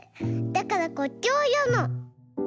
だからこっちをよむの。